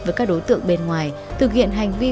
với các đối tượng bên ngoài thực hiện hành vi